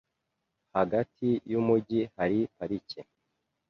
Hagati yumujyi hari parike.